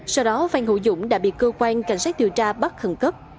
sau đó phan hữu dũng đã bị cơ quan cảnh sát điều tra bắt khẩn cấp